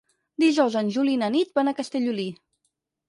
Dijous en Juli i na Nit van a Castellolí.